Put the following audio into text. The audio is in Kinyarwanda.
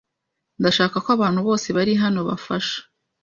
Ndashaka ko abantu bose bari hano bafasha.